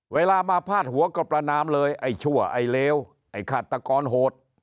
เวลามาพาดหัวก็ประนามเลยไอ้ชั่วไอ้เลวไอ้ฆาตกรโหด